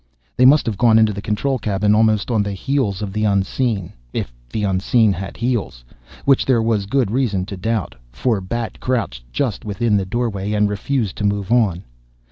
They must have gone into the control cabin almost on the heels of the unseen if the unseen had heels, which there was good reason to doubt for Bat crouched just within the doorway and refused to move on.